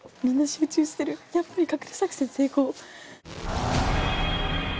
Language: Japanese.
やっぱりかくれ作戦成功。